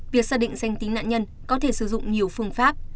việc xác định danh tính nạn nhân có thể sử dụng nhiều phương pháp